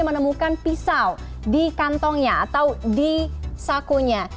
menemukan pisau di kantongnya atau di sakunya